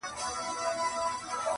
دا یوه خبره واورۍ مسافرو -